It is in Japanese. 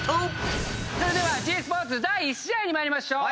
それではｇスポーツ第１試合に参りましょう。